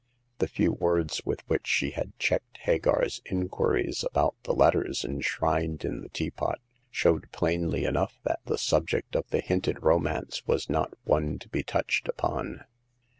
The few words with which she had checked Hagar's inquiries about the letters enshrined in the teapot showed plainly enough that the subject of the hinted romance was not one to be touched upon.